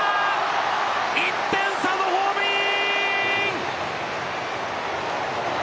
１点差のホームイン！